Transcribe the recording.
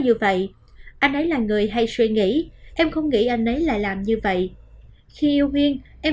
như vậy anh ấy là người hay suy nghĩ em không nghĩ anh ấy lại làm như vậy khi yêu viên em